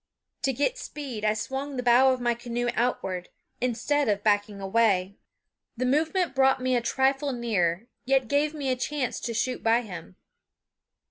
To get speed I swung the bow of the canoe outward, instead of backing away. The movement brought me a trifle nearer, yet gave me a chance to shoot by him.